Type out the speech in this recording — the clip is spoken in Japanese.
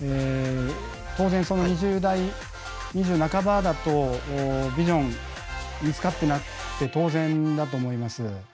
当然２０代２０半ばだとビジョン見つかってなくて当然だと思います。